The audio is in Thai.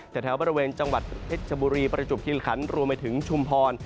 แถวบริเวณจังหวัดเพชรชบุรีประจวบคิริขันรวมไปถึงชุมพร